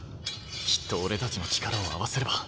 きっと俺たちの力を合わせれば。